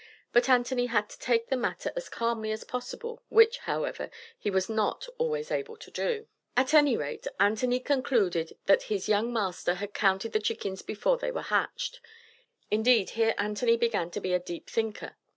But Anthony had to take the matter as calmly as possible, which, however, he was not always able to do. At any rate, Anthony concluded that his "young master had counted the chickens before they were hatched." Indeed here Anthony began to be a deep thinker.